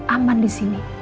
aman di sini